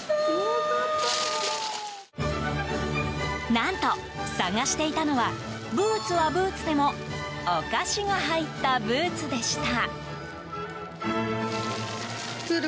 何と、探していたのはブーツはブーツでもお菓子が入ったブーツでした。